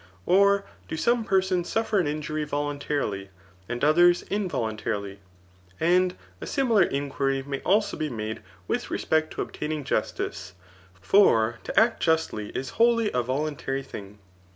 Or do some persons suffer an injury voluntarily, and others involuntarily ? And a similar inquiry may also be made with respect to obtaining justice; for to act justly is wholly a voluntary thing.